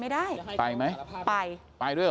ไปดีหรอ